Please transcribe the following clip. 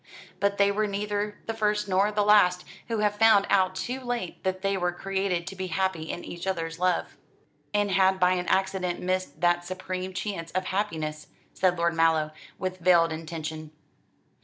"But they were neither the first nor the last who have found out too late that they were created to be happy in each other's love, and had by an accident missed that supreme chance of happiness," said Lord Mallow, with veiled intention.